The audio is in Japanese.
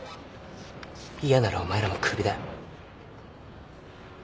嫌ならお前らも首だ。